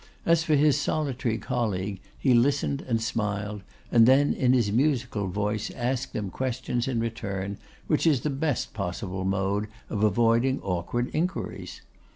As for his solitary colleague, he listened and smiled, and then in his musical voice asked them questions in return, which is the best possible mode of avoiding awkward inquiries.